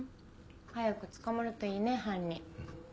早く捕まるといいね犯人。